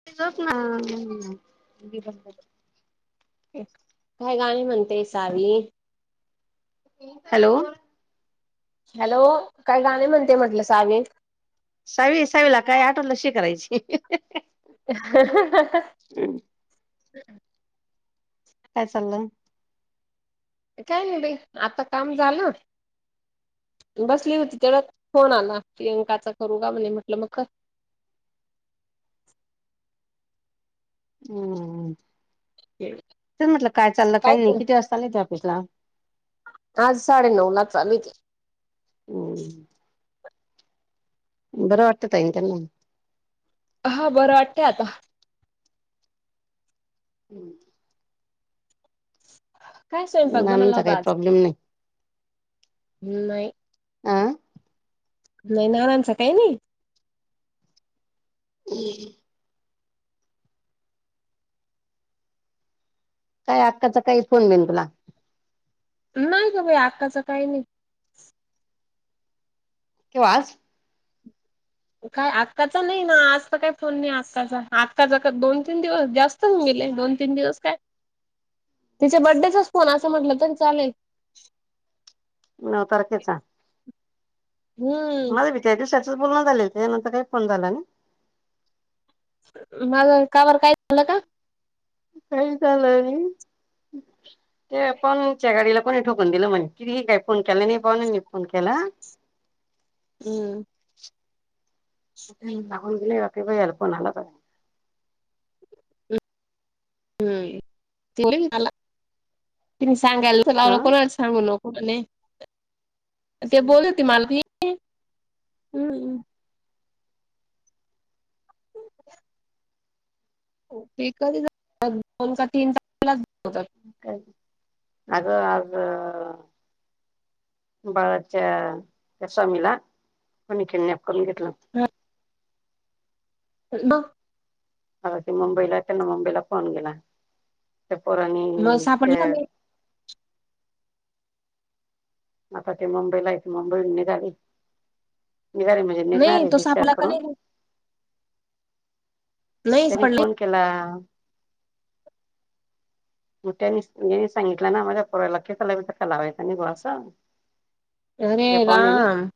[unintelligible] काय गाणी म्हणतेय साारी हॅलो. हॅलो काय गाणे म्हणते म्हटलं सावी सावी सावीला काय आठवलशी करायची. ह. हम. काय चाललं? काय नाही भाई आता काम झालं. बसली होती तेवढ फोन आला प्रियंकाचा करू का म्हणे म्हटलं मग हम्म ते म्हटलं काय चाललं काही नाही किती वाजता चालेय ते ऑफिसला आज साडे नऊ लाखचाल. हम्म बरं वाटतं आहे त्यांना हा बरं वाटते आता हम्म. काय स्वयंपाक बनवला नाचा होता काही आज प्रॉब्लेम नाही नाही अ. नाही नानांचा काही नाही. ह. काय अक्काचा काही फोन बेन तुला? नाही का बाई आक्काचं काही नाही. कवाज. काय आत्ताचा नाही ना आज तर काय फोन नाही आत्ताचा आत्काचा दोन तीन दिवस जास्त चांग गले दोन तीन दिवस काय? [unintelligible] तिच्या बड्डेचाच फोन असं म्हटलं तरी चालेल. नऊ तारखेचा हम्म मला विद्यार् दिीवसाच बोलं झाले होते त्या नंतर काही फोन झाला ना. माझ कावर काय झालं का? काही झालं ते पणच्या गाडीला कोणी ठोकून दिलं म्हणे तिरी काय फोन केला नाही पाऊ फोन केला हम्म लागून ग बा अल्पणला क हम् त ति सांगायला हा लावलं कोणाला सांगू नकोणे ते बोलत ते मालवी हम् ते कधी दोन तीनात. अग अग बाळाच्या त्या स्वामीला आणि किडनॅप करून घेतलं. ह ब आ ते मुंबईला त्यांना मुंबईला फोन गेला त्या पोरनी मग सापडला त्या. का नाही? आता ते मुंबईला य ते मुंबई निघाली निघाली म्हणजे नाही निघणारे तो डी चार सापडला का करून. नाही? नाही त्यांनी सापडला. फोन केला. मोठ्यानी सांगितलं ना माझ्या पुोरा केसा ला पण धक्का लावायचं नि ब असं. अरे ज पणे ह. राम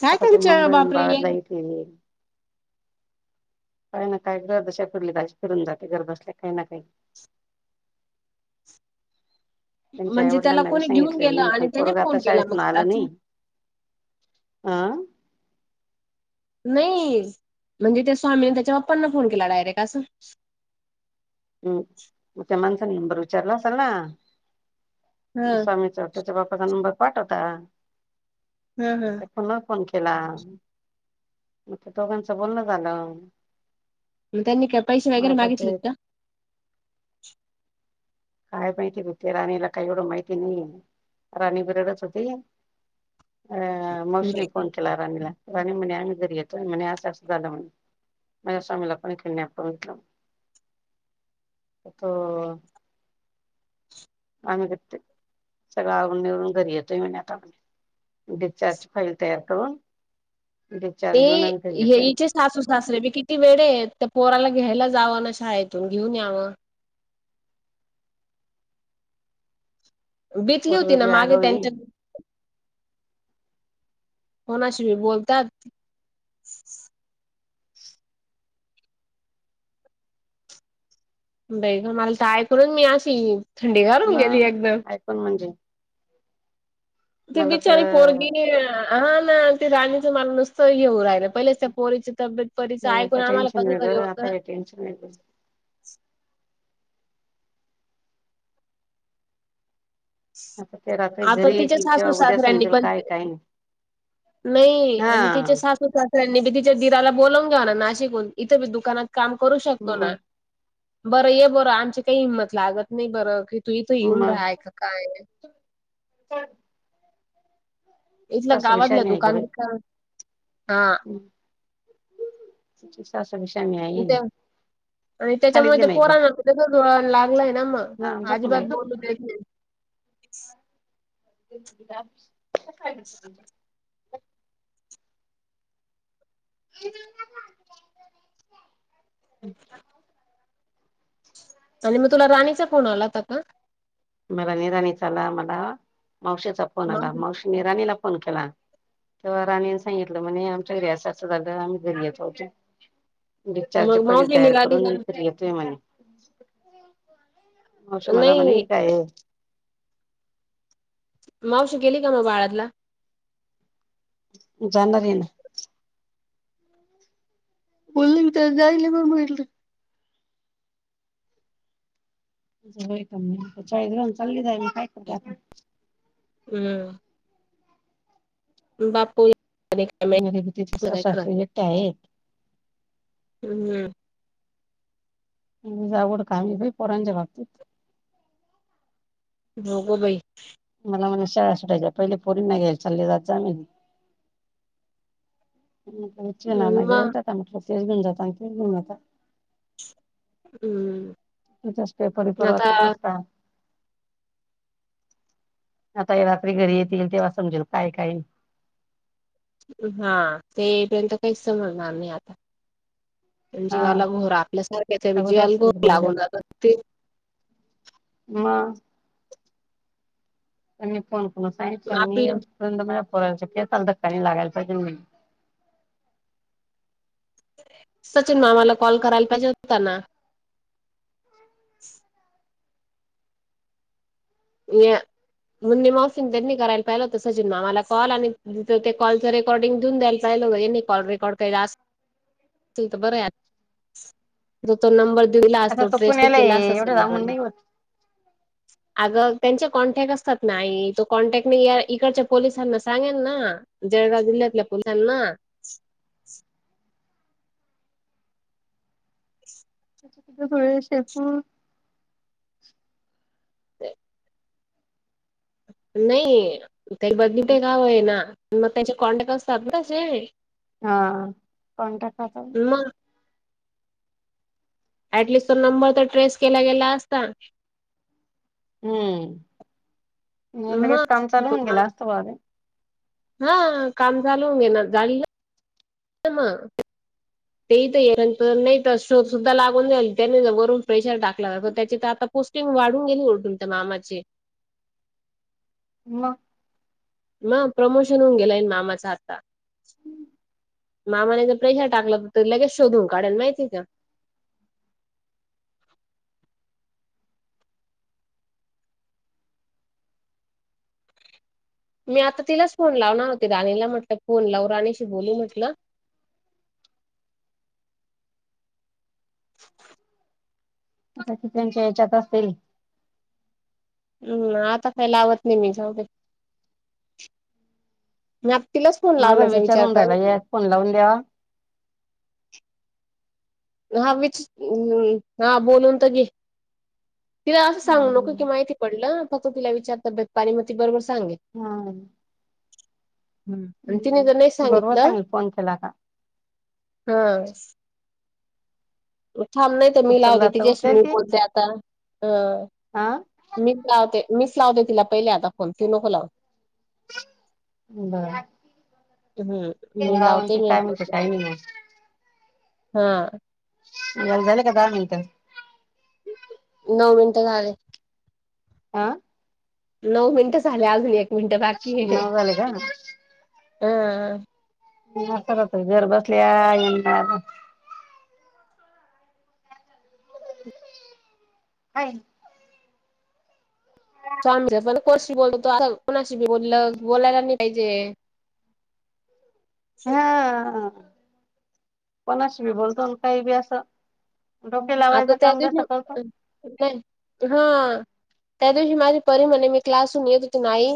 काय आता ते त्यांच्या मुंबईहून बापरे बाळतला येथे येईल. काही ना काही गरद अशा फरली तशी फिरून जाते गरज असल्या काही ना काही. त्यांच्या म्हणजे त्याला आईवडिलांनावी कोणी घेऊन सांगितले गेलं मी आणि पण त्याने पोरग आता फोन केला मग शाळेतून आलं असं नाही. आं नाही म्हणजे त्या स्वामीने त्याच्या बाप्पांना फोन केला डायरेक्ट असं. हम् ते मानचा नंबर विचारला असाल ना हां स्वामी चौ. त्याच्या बाप्पाचा नंबर पाठवता. हम् त्या हम पुन्हा फोन केला मग दोघांचं बोलण झालं. मग त्यांनी का पैसे मग वगैरे आता मागितलेत ते का. काय माहिती होते राणीला काही एवढं माहिती नाही राणी बरबरच होती. अ नाही. मावशीने फोन केला राणीला राणी म्हणे आम्ही घरी येतोय म्हणे असं असं झालं म्हणे. माझ्या स्वामीला पण खेळणे आपण म्हटलं त. आम्ही क सगळं आवून निवून घरी येतोय म्ह आताण. डिस्चार्ज फाईल तयार करून ते डिस्चार्ज घेऊन आणख हे येतोय. हिचे सासू सासरे बी किती वेळे आहेत तर पोराला घ्यायला जावं ना शाळेतून घेऊन यावं. बेतली होती पोरग ना बी मागे आगाव येईल त्यांच्या. कोणाशी बोलतात. बे काा मला ताय करून मी असशी. म ऐकण म्हणजे. ते मला बिचारी तर पोरगी हा ना ते राणीचं मला नुसतं येऊ राहिलं. पहिलेच त्या पोरीची तब्येत परीचं होळीचं ऐकून आम्हाला टेन्शन कसं तरी वेगळं आता होतं. हे टेन्शन आहव आता ते रात्री आता घरी तिच्या येतील तेव्हा सासू उद्या सासऱ्यांनी समजेल पण. काय काय नाही नाही आणि हा तिचे सासूास. नी मी तिच्या ीराला बोलवून घेऊ नाशिकहून इथे मी दुकानात काम करू शकतो ना. मग बरं ये बरं आमची काही हिंमत लागत नाही बरं कि तू इथ येऊन राहाय का काय. हो इथलं गावातलं दुकानदका हा स विष आणि मई. ते- आणि त्याच्यामुळे ते पोरना त्या लागलाय ना मग अजिबात बोलू द कय हम् अच्छा आणि मग तुला राणीचा फोन आलाता का मला निराणीचा आला मला मावशीचा फोन आला मग मावशी निराणीला फोन केला तेव्हा राणीने सांगितलं म्हणे आमच्या घ असचं झालं आम्ही घरतो ब चारचे मग पाज मावशी तयार निघाली का? करून तर येतोय म्हणे मऔश मला म्हणे नाही काय आहे मावशी गेली का मग बाळातला जनरन [unintelligible] चाल मी काय करत [unintelligible] हम् बापू काय घरी बी तिचे सासू [unintelligible] काय सासरे एकटे आहेत हम्म जावड का पोरांच्या बाबतीत हो गो बाई मला मला शाळा सुटायच्या पहिले पोरी नाही घेईल चाले जात जामीन विच ना घ मग जाता म्हट तेन जातान जाता हम् असते परिपर्वाचत बसता आताये रात्री घरी येतील तेव्हा समजेल काय काय हा ते येपर्यंत काहीच समजणार नी आता हा जीवाला घोर आपल्यासारख्याच बघू जीवाला घोर लागून जात [inaudible] ते म मी फो कोण सांित आपले मीर्यंत पोरायलाकला [unintelligible] केसांना धक्का नाही लागायला पाहिजे सचिन मामाला कॉल करायला पाहिजे होता ना या म्ह मसिन त्यांनी करायला पाहिलं होत सचिन मामाला कॉल आणि ते कॉलचं रेकॉर्डिंग देऊन द्यायला कॉल रेकॉड काय हा [unintelligible] ते तर बरं य आता तो पुण्याला आहे [unintelligible] एवढं लांबून नाही होत अ ग त्यांचे कॉन्टॅक्ट असतात ना तो कॉन्टॅक्ट मी इकडच्या पोलिसांना सांगेल ना जळगाव जिल्ह्यातल्या [unintelligible] ना [unintelligible] र शेपू [unintelligible] नाही त्या बदली ते गाव आहे ना मग त्याचे कॉन्टॅक्ट असतात ना तसे आहे हा कोण टाका मग ऍटलिस्ट तो नंबर तर ट्रेस केला गेला असता हम्म म लगेच काम मग चालू होऊन गेलं असत बा हा काम चाल घे ना [unintelligible] झाली मग ते तरंत नाही तर शो सुद्धा लागून झाल त्यानी वरून प्रेशर टाकला ज त्याच्या तर आता पोस्टिंग वाढून गेली ओडून तर मामाचे मग म प्रमोशन होऊन गेलाय मामाचा आता मामाने जर प्रेशर टाकला तर तरी लगेच शोधून काढाला माहिती का मी आता तिलाच फोन लावणार होती राणीला म्हटलं फोन लावू राणीशी बोलू म्हटलं [unintelligible] त्यांच्या याच्यात असतील हम्म आता काही लावत नाही मी जाऊतेे मी तिलाच फोन माझा लावण्याचा विचार होऊन कर राहिला या फोन लावून द्या हा विच् हा बोलून तर घे तिला असं सांगू नको कि माहिती पडलं फक्त तिला विचारत तब्येत पानीमती बरोबर सांगे हा हम् तिने तर नाही बरोबर सांगितलं सांगेल फोन केला का हा थांब नाही तर मी लावते उचलला तर तिच्या शी उचलेल मी ती बोलते आता ह हा मीच लावते मीच लावते तिला पहिले आता फोन तू नको लावत बर हम्म मी लावते लावनची मी का [unintelligible] मच बोलते काही नाही हा झाले का दहा मिनिट नऊ मिनटं झाले आं नऊ मिनिट झाले अजून एक मिनिट बाकी हे नऊ झाले का [unintelligible] खत घर बसल्या यंद हा स्वामी पण कोणशी बोलतोता कोणाशी बी बोललं बोलायला नाही पाहिजे हा पण असवी बोलतो काय ब असस आता त्याध करतो नाही हा त्या दिवशी माझी परी म्हणे मी क्लासून येत होती न आई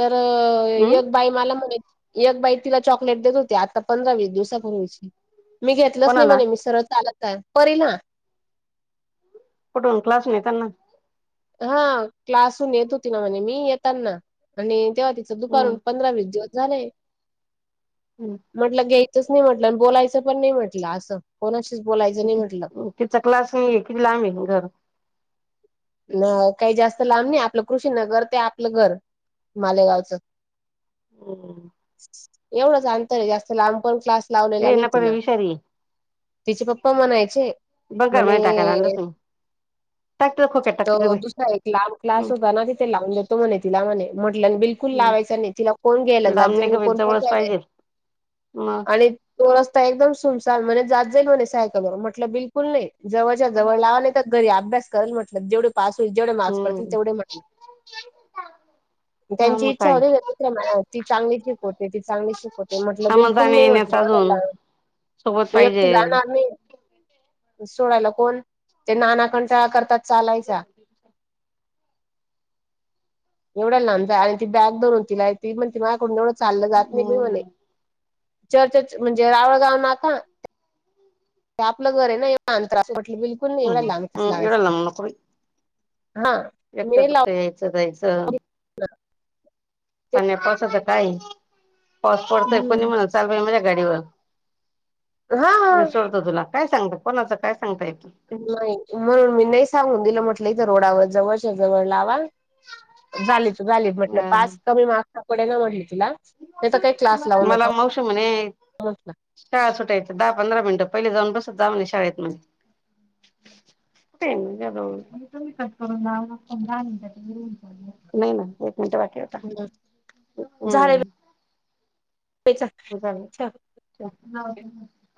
तर हम् एक बाई मला म्हणे एक बाई तिला चॉकलेट देत होते आता पंधरा वीस दिवस ू वि मी घेतलंच नाही कोणाला म्हणे मी सरळ चालत आहे परी ना कठून क्लास हुन येताना हा क्लासून येत होती ना म्हणेज मी येताना आणि तेव्हा त दुपार हम्म पंधरा वीस दिवस झाले हम्म म्हटलं घ्यायचंच नाही म्हटलं आणि बोलायचं पण नाही म्हटलं असं कोणाशीच बोलायचं नाही म्हटलं ति चकला अस नाहीये किती लांब आहे घर ना काही जास्त लांब नाही आपलं कृषी ना घर ते आपलं घर मालेगावचं हो एवढंच अंतर आहे जास्त लांबपण क्लास लावलेला नाही एना तिला पणवी शरी तिचे पप्पा म्हणायचे बंगार म्हणे टक्तर खोकट [unintelligible] तर दुसरा एक लांब क्लास होता ना तिथे लावून देतो म्हणे तिला म्हणे म्हटलं बिल लावायचा नाही तिला कोण घ्यायला लांब जात नाही गं बाई कोण जवळच पोचवायला पाहिजे मग आणि तो रस्ता एकदम सुमसाम म्हणे जात जाईल म्हणे सायकलवरर म्हटलं बिलकुल नाही जवळच्या जवळ लावा नाही तर घरी अभ्यास करेल म्हटलं जेवढे पास होईल जेवढे मार्क्स पडतील हम्म तेवढे म्हटलं [inaudible] त्यांची मग इच्छा काय होती ना दुस्र मना ती चांगलीच शिकव होते ती चांगली शिकवते म्हटलं बिलकुल नाही म्हटले एव ह [inaudible] मी एकटी जाणार नाही सोडायला कोण ते नाना कंटाळा करतात चालायचा ते [inaudible] न ना आणि ती बॅग दरून तिला तीण त माझकडूनव चाललं जात नाहीी हम्म म्हणे चर्चे म्हणजे रावळगाव नाका ते आपलं घर आहे ना एवढं अंतर एव अ त्रास म्हटलं बिलकुल नाही एवढा हम् लांब क्लास एवढं लावायचा तिला लांब नको बाई हा एकटं दुःख यायचं जायचं ह आणि या पावसाच काय पाऊस पडतय कोणी म्हण चाल बाई माझ्या गाडीवर मी हा सोडतो तुला काय सांगु कोणाचं काय सांगतायत नाही म्हणून मी नाही सांगून दिलं म्हटलं इथं रोडावर जवळच्या जवळ लावा झाली तू झाली अ म्हटलं पास कमी मार्क्स पडे ना म्हटली तुला मला मावशी म्हणे म्हटलं शाळा सुटायच्या दहा पंधरा मिनिटं पहिले जाऊन बसत जा शाळेत म्हणे क जो [unintelligible] तुम्ही कट करून [unintelligible] एक मिनट बाकी झा हम्म ठेव [inaudible]